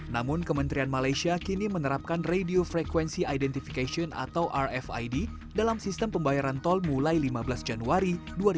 namun kementerian malaysia kini menerapkan radio frequency identification atau rfid dalam sistem pembayaran tol mulai lima belas januari dua ribu dua puluh